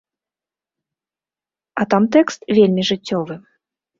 А там тэкст вельмі жыццёвы.